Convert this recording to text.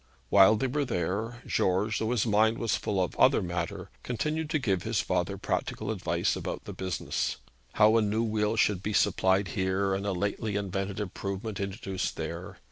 While they were there, George, though his mind was full of other matter, continued to give his father practical advice about the business how a new wheel should be supplied here, and a lately invented improvement introduced there.